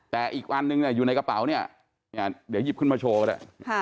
แต่อีกอันหนึ่งเนี่ยอยู่ในกระเป๋าเนี่ยเนี่ยเดี๋ยวหยิบขึ้นมาโชว์กันแหละ